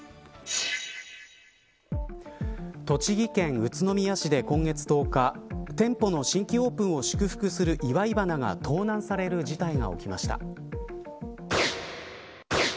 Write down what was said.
栃木県宇都宮市で今月１０日店舗の新規オープンを祝福する祝い花が盗難される事態が起きました。